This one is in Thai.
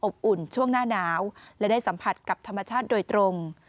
อุ่นช่วงหน้าหนาวและได้สัมผัสกับธรรมชาติโดยตรง